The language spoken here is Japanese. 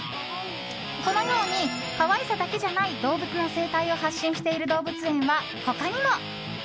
このように可愛さだけじゃない動物の生態を発信している動物園は他にも。